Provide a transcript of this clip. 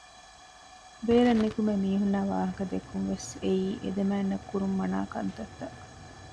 ބޭރަށް ނުކުމެ މީހުންނާއި ވާހަކަ ދެއްކުންވެސް އެއީ އެދެމައިންނަށް ކުރުން މަނާކަންތައްތައް